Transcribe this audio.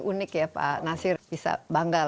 unik ya pak nasir bisa bangga